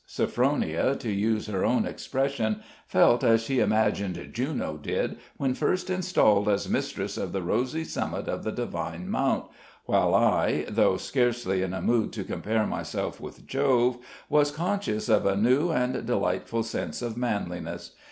Sophronia, to use her own expression, 'felt as she imagined Juno did, when first installed as mistress of the rosy summit of the divine mount; while I, though scarcely in a mood to compare myself with Jove, was conscious of a new and delightful sense of manliness.